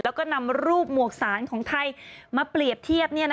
แล้วก็นำรูปหมวกสารของไทยมาเปรียบเทียบ